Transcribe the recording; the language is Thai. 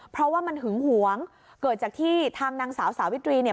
เพราะว่ามันหึงหวงเกิดจากที่ทางนางสาวสาวิตรีเนี่ย